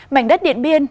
mảnh đất điện biên